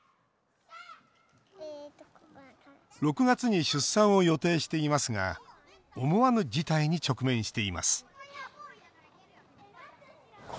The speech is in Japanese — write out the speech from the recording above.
６月に出産を予定していますが思わぬ事態に直面しています